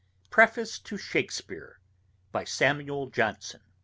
] PREFACE TO SHAKESPEARE BY SAMUEL JOHNSON.